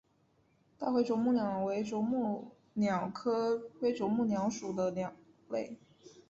大灰啄木鸟为啄木鸟科灰啄木鸟属的鸟类。